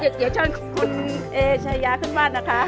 เดี๋ยวเชิญคุณเอชายาขึ้นบ้านนะคะ